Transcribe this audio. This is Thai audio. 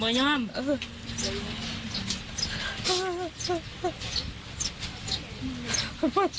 คุณสังเงียมต้องตายแล้วคุณสังเงียม